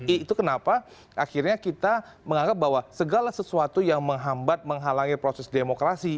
itu kenapa akhirnya kita menganggap bahwa segala sesuatu yang menghambat menghalangi proses demokrasi